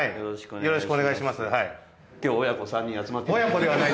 よろしくお願いします